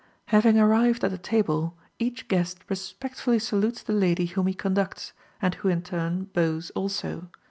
Having arrived at the table, each guest respectfully salutes the lady whom he conducts, and who in turn bows also.